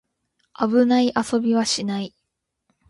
危ない遊びはしない